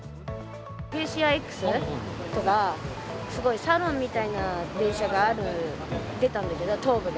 スペーシアＸとか、すごいサロンみたいな電車がある、出たんだけど、東武で。